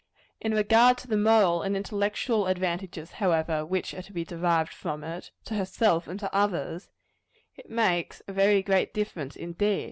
In regard to the moral and intellectual advantages, however, which are to be derived from it to herself and to others it makes a very great difference indeed.